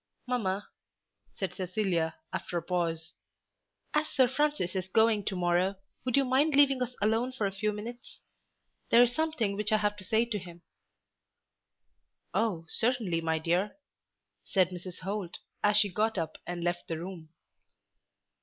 "Mamma," said Cecilia after a pause, "as Sir Francis is going to morrow, would you mind leaving us alone for a few minutes? There is something which I have to say to him." "Oh, certainly, my dear," said Mrs. Holt, as she got up and left the room.